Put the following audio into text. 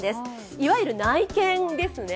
いわゆる内見ですね。